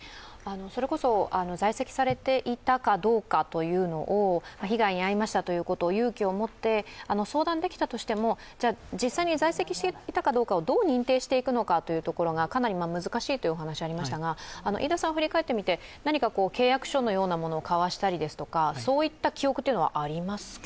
それこそ在籍されていたかどうかというのを被害に遭いましたということを勇気を持って相談できたとしても、実際に在籍していたかどうかをどう認定していくのかどうかをかなり難しいというお話がありましたが飯田さん振り返ってみて、何か契約書のようなものを交わしたり、そういった記憶はありますか？